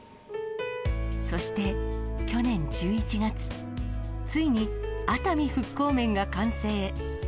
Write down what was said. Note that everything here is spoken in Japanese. そして、去年１１月、ついに熱海復興麺が完成。